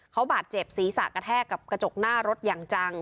เขาบาดเจ็บศีรษะกระแทกกับกระจกหน้ารถอย่างจัง